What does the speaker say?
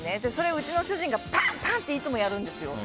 うちの主人がパンパンっていつもやるんですよ。